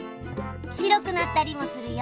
白くなったりもするよ。